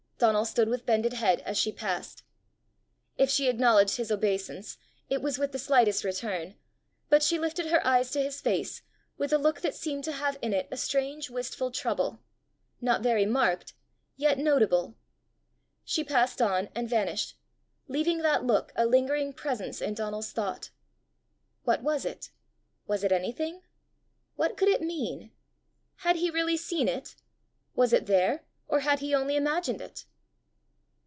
Donal stood with bended head as she passed. If she acknowledged his obeisance it was with the slightest return, but she lifted her eyes to his face with a look that seemed to have in it a strange wistful trouble not very marked, yet notable. She passed on and vanished, leaving that look a lingering presence in Donal's thought. What was it? Was it anything? What could it mean? Had he really seen it? Was it there, or had he only imagined it?